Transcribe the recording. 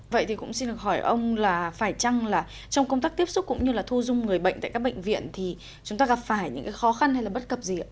vậy thì cũng xin được hỏi ông là phải chăng là trong công tác tiếp xúc cũng như là thu dung người bệnh tại các bệnh viện thì chúng ta gặp phải những cái khó khăn hay là bất cập gì ạ